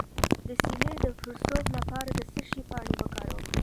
د سینې د پړسوب لپاره د څه شي پاڼې وکاروم؟